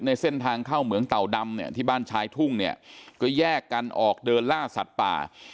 ในเส้นทางเข้าเหมืองเต่าดำเนี่ยที่บ้านชายทุ่งเนี่ยก็แยกกันออกเดินล่าสัตว์ป่า